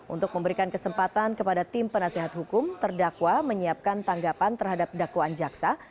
untuk memberikan kesempatan kepada tim penasehat hukum terdakwa menyiapkan tanggapan terhadap dakwaan jaksa